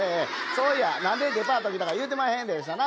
そういや何でデパート来たか言うてまへんでしたな。